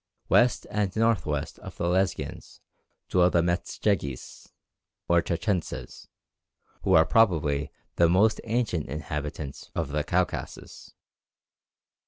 West and north west of the Lesghians dwell the Metzdjeghis, or Tchetchentses, who are probably the most ancient inhabitants of the Caucasus.